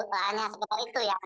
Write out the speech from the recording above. hanya sebut itu ya